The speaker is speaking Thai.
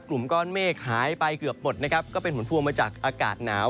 กลุ่มก้อนเมฆหายไปเกือบหมดนะครับก็เป็นผลพวงมาจากอากาศหนาว